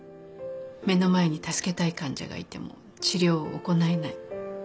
目の前に助けたい患者がいても治療を行えない。